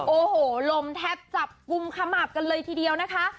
โอ้โหลมแทบจับกุมขมับกันเลยทีเดียวนะคะ